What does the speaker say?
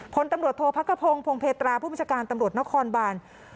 พลตำรวจโทษพักกระพงศพงเพตราผู้บัญชาการตำรวจนครบาน